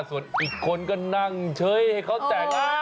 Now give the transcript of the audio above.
ส่วนอีกคนก็นั่งเฉยให้เขาแต่ง